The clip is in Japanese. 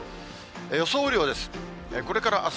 予想雨量です。